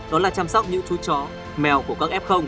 đó là chăm sóc những chú chó mèo của các f